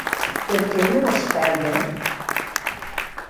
Per qué me vòs pèrder?